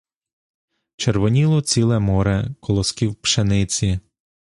Червоніло ціле море колосків пшениці.